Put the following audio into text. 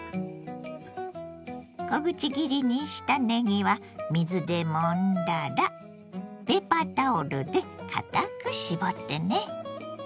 小口切りにしたねぎは水でもんだらペーパータオルで堅く絞ってね。